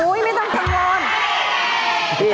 โอ๊ยไม่ต้องกังวล